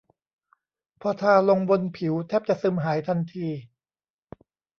พอทาลงบนผิวแทบจะซึมหายทันที